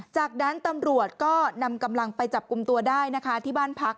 จากนั้นตำรวจก็นำกำลังไปจับกลุ่มตัวได้นะคะที่บ้านพัก